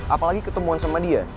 apalagi ketemuan sama dia